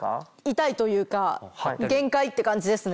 痛いというか限界って感じですね。